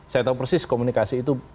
saya tahu persis komunikasi itu